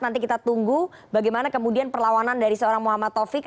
nanti kita tunggu bagaimana kemudian perlawanan dari seorang muhammad taufik